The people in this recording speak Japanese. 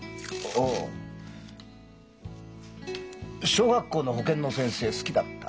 小学校の保健の先生好きだった。